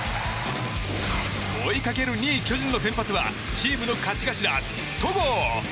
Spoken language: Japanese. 追いかける２位、巨人の先発はチームの勝ち頭、戸郷。